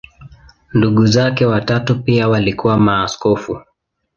Ndugu zake watatu pia walikuwa maaskofu.